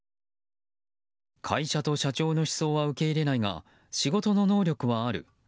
会社と社長の思想は受け入れないが仕事の能力はある。